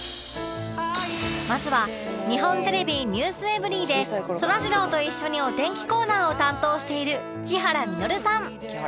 まずは日本テレビ『ｎｅｗｓｅｖｅｒｙ．』でそらジローと一緒にお天気コーナーを担当している木原実さん